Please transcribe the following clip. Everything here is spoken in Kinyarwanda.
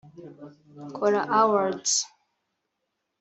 Kora Awards